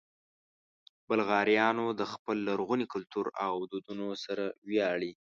بلغاریان د خپل لرغوني کلتور او دودونو سره ویاړي.